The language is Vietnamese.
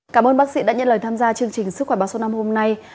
cảm ơn bác sĩ đã nhận lời tham gia chương trình sức khỏe báo số năm hôm nay